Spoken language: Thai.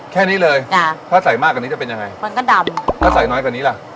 แค่นี้เลยถ้าใส่มากกว่านี้จะเป็นยังไงถ้าใส่น้อยกว่านี้ล่ะมันก็ดำ